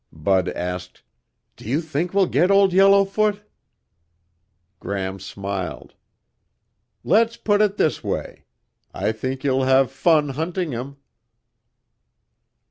Bud asked, "Do you think we'll get Old Yellowfoot?" Gram smiled. "Let's put it this way. I think you'll have fun hunting him."